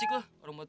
ya kita bisa ke rumah